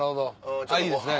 いいですね。